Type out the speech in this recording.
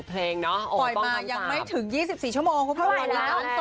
เพลงนี้น่าจะได้อยู่